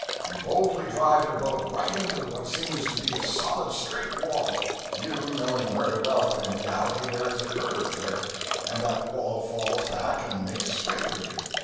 You boldly drive your boat right into what seems to be a solid, straight wall (you knowing very well that in reality there is a curve there), and that wall falls back and makes way for you.